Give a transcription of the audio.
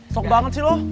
sok banget sih lo